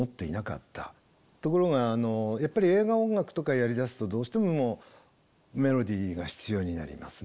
ところがやっぱり映画音楽とかやりだすとどうしてもメロディーが必要になりますね。